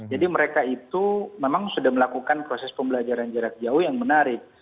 mereka itu memang sudah melakukan proses pembelajaran jarak jauh yang menarik